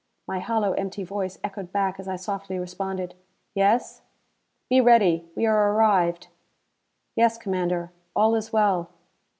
My hollow empty voice echoed back as I softly responded: "Yes?" "Be ready. We are arrived." "Yes, Commander. All is well."